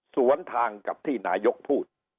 สวนทางกับที่นายกพูด